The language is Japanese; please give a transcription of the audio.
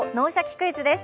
クイズ」です。